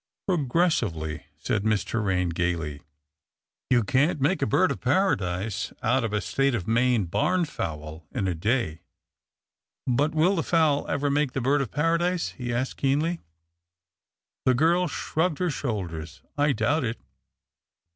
" Progressively," said Miss Torraine gaily, " you can't make a bird of paradise out of a State of Maine barn fowl in a day." " But will the fowl ever make the bird of para dise? " he asked keenly. The girl shrugged her shoulders. " I doubt it."